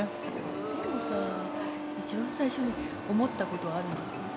でもさ一番最初に思ったことあるんだけどさ。